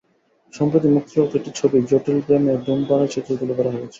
সম্প্রতি মুক্তিপাপ্ত একটি ছবি জটিল প্রেম-এ ধূমপানের চিত্র তুলে ধরা হয়েছে।